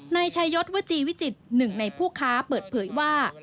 นายชายศวจีวิจิตรหนึ่งในผู้ค้าเปิดเผยว่า